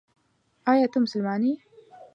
ایا ته مسلمان یې ؟